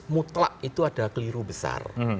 mutlak itu ada keliru besar